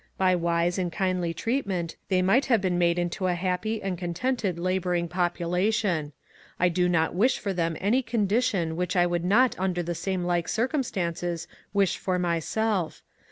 By wise and kindly treatment they might have been made into a happy and contented labouring population. I do not wish for them any condition which I would not under like circumstances wish for myself.